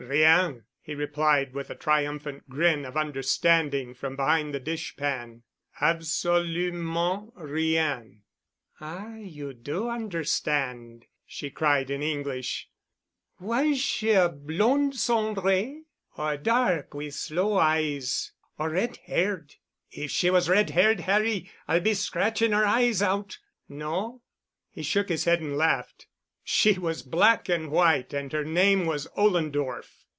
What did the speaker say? "Rien," he replied with a triumphant grin of understanding from behind the dish pan. "Absolument rien." "Ah, you do understand," she cried in English. "Was she a blonde—cendrée? Or dark with sloe eyes? Or red haired? If she was red haired, Harry, I'll be scratching her eyes out. No?" He shook his head and laughed. "She was black and white and her name was Ollendorff."